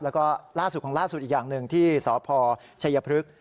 แล้วก็ล่าสุดของล่าสุดอีกอย่างหนึ่งที่สพชัยพฤกษ์